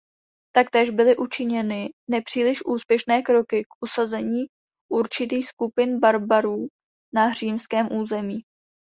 Taktéž byly učiněny nepříliš úspěšné kroky k usazení určitých skupin barbarů na římském území.